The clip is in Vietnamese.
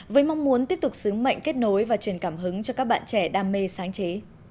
với mong muốn tiếp tục sứ mệnh kết nối và truyền cảm hứng cho các bạn trẻ đam mê sáng chế